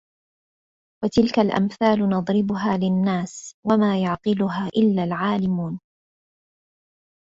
وَتِلْكَ الْأَمْثَالُ نَضْرِبُهَا لِلنَّاسِ وَمَا يَعْقِلُهَا إِلَّا الْعَالِمُونَ